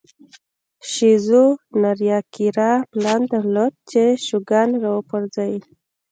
شیزو ناریاکیرا پلان درلود چې شوګان را وپرځوي.